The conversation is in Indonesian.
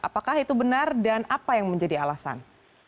apakah itu benar dan apa yang menjadi alasan